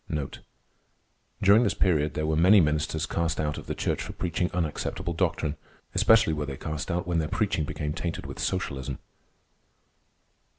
During this period there were many ministers cast out of the church for preaching unacceptable doctrine. Especially were they cast out when their preaching became tainted with socialism.